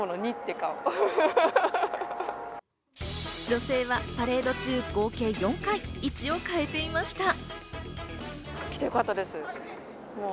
女性はパレード中、合計４回位置を変えていました。